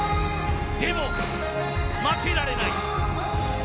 でも、負けられない。